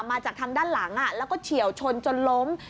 มาจากทางด้านหลังแล้วก็เฉียวชนจนล้ม